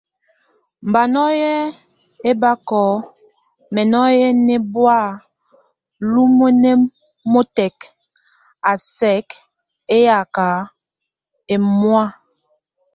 Mba nɔ́ye ebakó nemɔa nɛbɔ́a lúmuenemɔtɛk, a sɛk éyak emɔ́a.